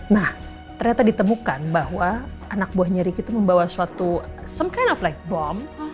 nah ternyata ditemukan bahwa anak buahnya ricky itu membawa suatu some kind of like bomb